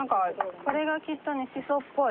これがきっとねシソっぽい。